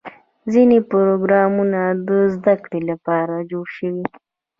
ځینې پروګرامونه د زدهکړې لپاره جوړ شوي.